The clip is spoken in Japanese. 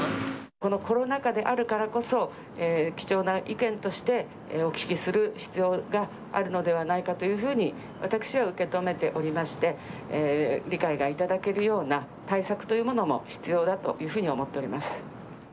このコロナ禍であるからこそ、貴重な意見としてお聞きする必要があるのではないかというふうに、私は受け止めておりまして、理解がいただけるような対策というものも必要だというふうに思っております。